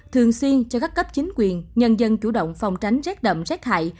thường xuyên cho các cấp chính quyền nhân dân chủ động phòng tránh rác đậm rác hại